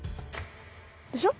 でしょ？